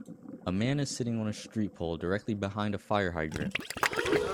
A man is sitting on a street pole directly behind a fire hydrant